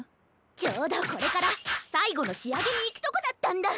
ちょうどこれからさいごのしあげにいくとこだったんだ！